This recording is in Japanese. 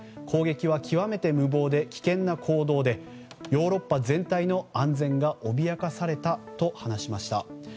攻撃は極めて無謀で危険な行動でヨーロッパ全体の安全が脅かされたと話しました。